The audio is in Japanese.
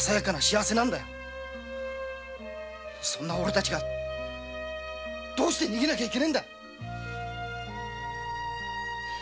そんなオレたちがどうして逃げなきゃいけないんだ！